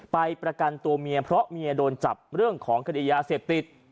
ประกันตัวเมียเพราะเมียโดนจับเรื่องของคดียาเสพติด